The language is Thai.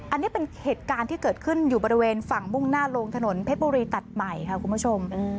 อันนี้เป็นเหตุการณ์ที่เกิดขึ้นอยู่บริเวณฝั่งมุ่งหน้าลงถนนเพชรบุรีตัดใหม่ค่ะคุณผู้ชม